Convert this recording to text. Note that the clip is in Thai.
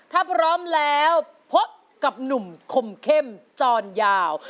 ถ้าพร้อมแล้วพบกับหนุ่มคมเข้มจรยาว